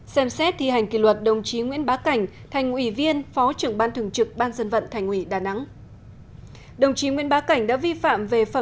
bốn xem xét thi hành kỷ luật đồng chí nguyễn bá cảnh